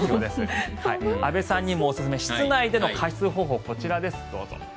安部さんにもおすすめの室内での加湿方法はこちらです。